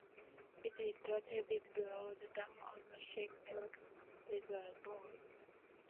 It is located below the dam of the Shek Pik Reservoir.